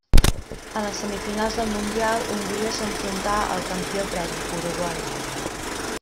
A les semifinals del Mundial, Hongria s'enfrontà al campió previ, Uruguai.